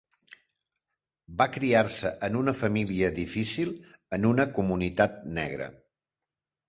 Va criar-se en una família difícil en una comunitat negra.